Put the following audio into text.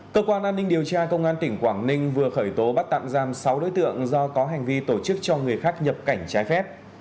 cơ quan an ninh điều tra công an tỉnh quảng ninh vừa khởi tố bắt tạm giam sáu đối tượng do có hành vi tổ chức cho người khác nhập cảnh trái phép